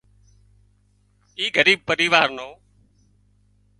اي ڳريٻ پريوار نو